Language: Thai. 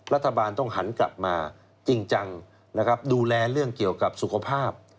รัฐบาลต้องหันกลับมาจริงจังนะครับดูแลเรื่องเกี่ยวกับสุขภาพ